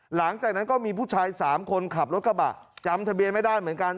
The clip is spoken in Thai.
หลังจากนั้นก็มีผู้ชาย๓คนขับรถกระบะจำทะเบียนไม่ได้เหมือนกัน